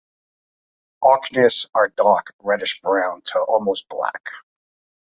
Achenes are dark reddish brown to almost black.